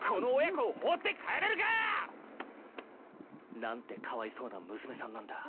この親子を放って帰れるか！なんてかわいそうな娘さんなんだ。